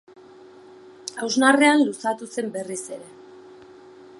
Hausnarrean luzatu zen berriz ere.